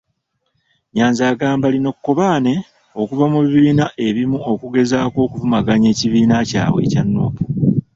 Nyanzi agamba lino kkobaane okuva mu bibiina ebimu okugezaaako okuvumaganya ekibiina kyabwe ekya Nuupu.